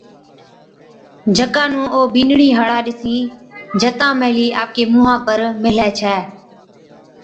جڪا نُون او ٻِينڏڙِين ھاڙان ڏِسِين جتان مَھلِي آپڪي مُنھان پر ميلھي ڇَي